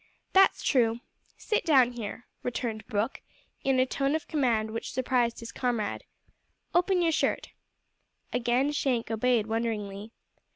"That's true. Sit down here," returned Brooke, in a tone of command which surprised his comrade. "Open your shirt." Again Shank obeyed wonderingly.